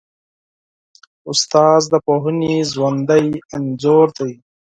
استاد د پوهنې ژوندی انځور دی.